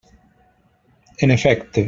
En efecte.